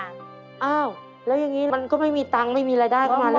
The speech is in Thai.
อ้าวแล้วยังงี้มันก็ไม่มีตังค์ไม่มีรายได้ค่ะ